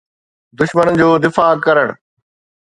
دشمن جو دفاع ڪرڻ.